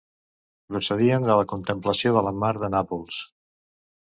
Procedien de la contemplació de la mar de Nàpols.